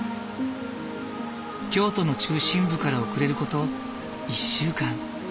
京都の中心部から後れる事１週間。